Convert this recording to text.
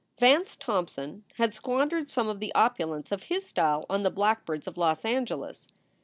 Vance Thompson had squandered some of the opu lence of his style on the blackbirds of Los Angeles.